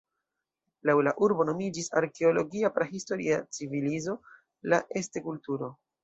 Laŭ la urbo nomiĝis arkeologia prahistoria civilizo, la "Este-kulturo".